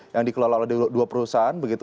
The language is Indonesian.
yang dikelola oleh dua perusahaan begitu